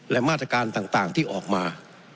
และมาตรการต่างที่ออกมา